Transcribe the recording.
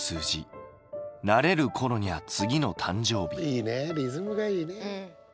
いいねリズムがいいね。